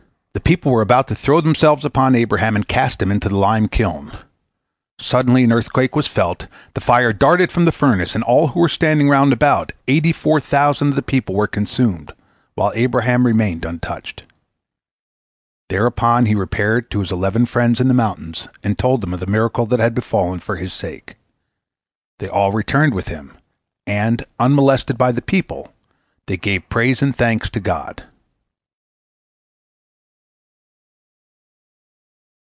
The people were about to throw themselves upon Abraham and cast him into the lime kiln. Suddenly an earthquake was felt, the fire darted from the furnace, and all who were standing round about, eighty four thousand of the people, were consumed, while Abraham remained untouched. Thereupon he repaired to his eleven friends in the mountains, and told them of the miracle that had befallen for his sake. They all returned with him, and, unmolested by the people, they gave praise and thanks to God.